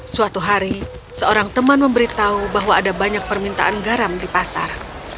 suatu hari seorang teman memberitahu bahwa ada banyak permintaan garam di pasar